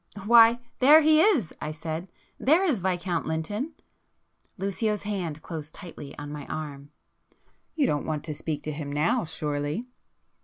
"Why there he is!" I said—"there is Viscount Lynton!" Lucio's hand closed tightly on my arm. "You don't want to speak to him now, surely!"